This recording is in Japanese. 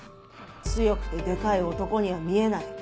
強くてデカい男には見えない。